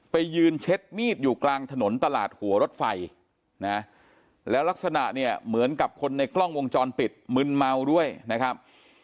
ไปยืนเช็ดมีดอยู่กลางถนนตลาดหัวรถไฟนะแล้วลักษณะเนี่ยเหมือนกับคนในกล้องวงจรปิดมึนเมาด้วยนะครับ